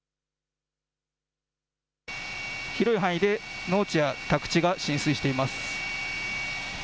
広い範囲で農地や宅地が浸水しています。